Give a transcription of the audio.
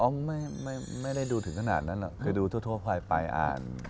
อ๋อไม่ได้ดูถึงขนาดนั้นหรอกเคยดูทั่วไปอ่าน